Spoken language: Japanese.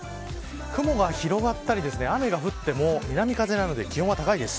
雲が広がったり雨が降っても南風なので気温は高いです。